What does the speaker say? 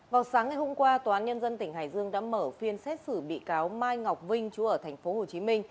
vào sáng ngày hôm qua tòa án nhân dân tỉnh hải dương đã mở phiên xét xử bị cáo mai ngọc vinh chú ở tp hcm